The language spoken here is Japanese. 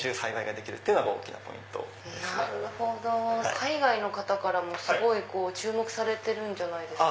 海外の方からもすごい注目されてるんじゃないですか？